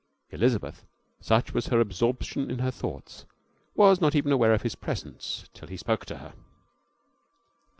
Elizabeth, such was her absorption in her thoughts, was not even aware of his presence till he spoke to her.